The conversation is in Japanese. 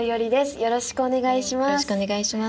よろしくお願いします。